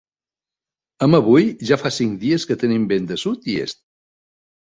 Amb avui ja fa cinc dies que tenim vent de sud i est.